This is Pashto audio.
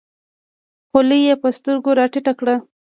خولۍ یې په سترګو راټیټه کړه.